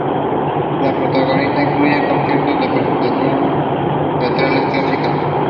We still call for their release.